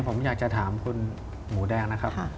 ผมอยากจะถามคุณหมูแดงนะครับ